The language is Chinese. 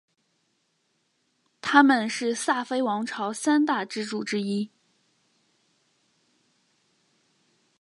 他们是萨非王朝三大支柱之一。